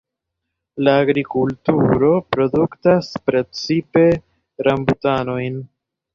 La agrikulturo produktas precipe rambutanojn.